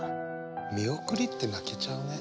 見送りって泣けちゃうね。